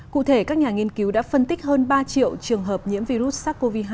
cụ thể các nhà nghiên cứu đã phân tích hơn ba triệu trường hợp nhiễm virus sars cov hai